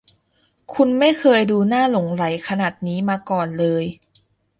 คุณไม่เคยดูน่าหลงใหลขนาดนี้มาก่อนเลย